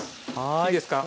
いいですか。